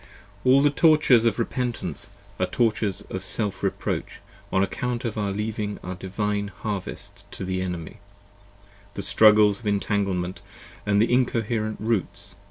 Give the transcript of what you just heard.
All the tortures of repentance are tortures of self reproach on account of our leav 10 ing the Divine Harvest to the Enemy, the struggles of intanglement with in coherent roots.